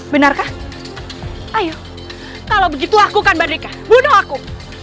benarkah ayo kalau begitu aku kan merdeka bunuh aku